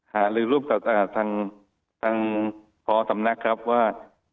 หาลือรูปกับทางพอสำนักครับว่า